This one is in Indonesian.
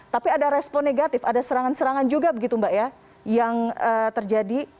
tapi ada respon negatif ada serangan serangan juga begitu mbak ya yang terjadi